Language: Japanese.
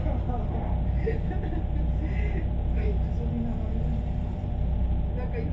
おいくつになられるんですか？